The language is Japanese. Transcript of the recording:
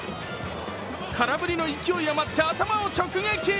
空振りの勢いあまって頭を直撃。